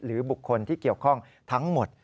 บุคคลที่เกี่ยวข้องทั้งหมด